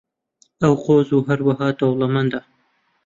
ئەو قۆز و هەروەها دەوڵەمەندە.